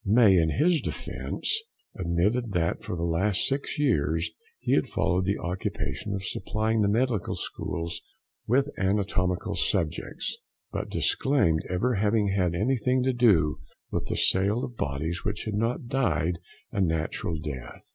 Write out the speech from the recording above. May, in his defence, admitted that for the last six years he had followed the occupation of supplying the medical schools with anatomical subjects, but disclaimed ever having had anything to do with the sale of bodies which had not died a natural death.